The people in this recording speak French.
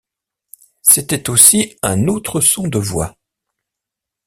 C’était aussi un autre son de voix.